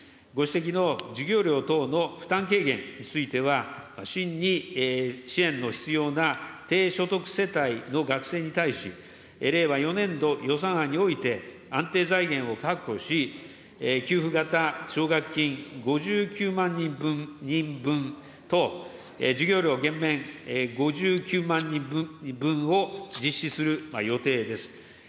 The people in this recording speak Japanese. ご指摘の授業料等の負担軽減については、真に支援の必要な低所得世帯の学生に対し、令和４年度予算案において安定財源を確保し、給付型奨学金５９万人分と、授業料減免５９万人分を実施する予定です。